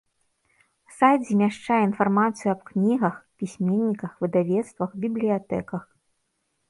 Сайт змяшчае інфармацыю аб кнігах, пісьменніках, выдавецтвах, бібліятэках.